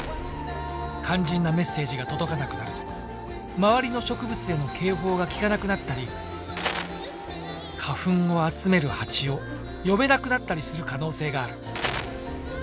肝心なメッセージが届かなくなると周りの植物への警報が効かなくなったり花粉を集めるハチを呼べなくなったりする可能性がある。